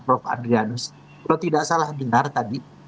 prof adrianus kalau tidak salah benar tadi